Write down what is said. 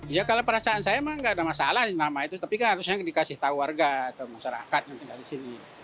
ya kalau perasaan saya memang nggak ada masalah nama itu tapi kan harusnya dikasih tahu warga atau masyarakat yang tinggal di sini